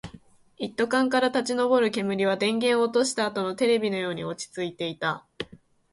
一斗缶から立ち上る煙は、電源を落としたあとのテレビのように落ち着いていた